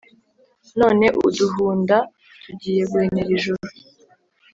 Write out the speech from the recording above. none uduhunda tugiye guhenera ijuru